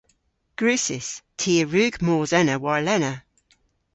Gwrussys. Ty a wrug mos ena warlena.